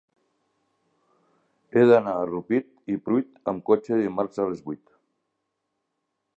He d'anar a Rupit i Pruit amb cotxe dimarts a les vuit.